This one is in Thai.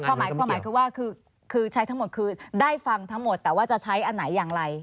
ความหมายคือว่าคือใช้ทั้งหมดคือได้ฟังทั้งหมดแต่ว่าจะใช้อันไหนอย่างไร